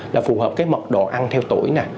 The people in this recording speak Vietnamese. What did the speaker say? là phù hợp với mật độ ăn theo tuổi